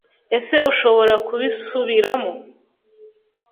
ese ushobora kubisubiramo